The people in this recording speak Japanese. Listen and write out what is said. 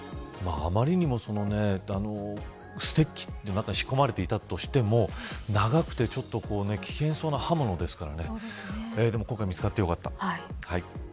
あまりにもステッキの中に仕込まれていたとしても長くて、ちょっと危険そうな刃物ですから今回は見つかってよかった。